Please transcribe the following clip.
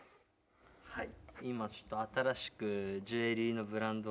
はい。